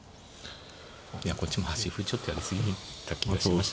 いやこっちも端歩ちょっとやり過ぎた気がしましたね。